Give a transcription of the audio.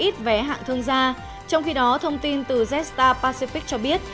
trong khi đó thông tin từ zstar pacific cho biết